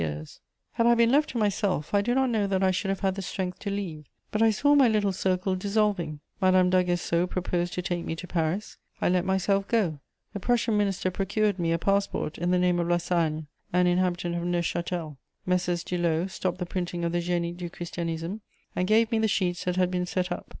[Illustration: George III.] Had I been left to myself, I do not know that I should have had the strength to leave; but I saw my little circle dissolving; Madame d'Aguesseau proposed to take me to Paris: I let myself go. The Prussian Minister procured me a passport in the name of La Sagne, an inhabitant of Neuchâtel. Messrs. Dulau stopped the printing of the Génie du Christianisme, and gave me the sheets that had been set up.